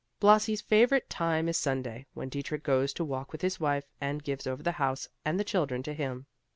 Blasi's favorite time is Sunday, when Dietrich goes to walk with his wife, and gives over the house and the children to him.